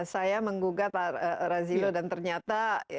saya menggugat pak razilo dan ternyata